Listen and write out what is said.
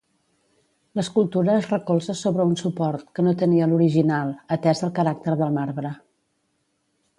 L'escultura es recolza sobre un suport, que no tenia l'original, atès al caràcter del marbre.